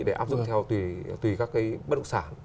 để áp dụng theo tùy các bất động sản